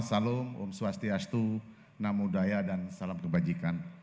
salam om swastiastu namodaya dan salam kebajikan